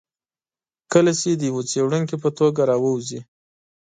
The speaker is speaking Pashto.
کله چې د یوه څېړونکي په توګه راووځي.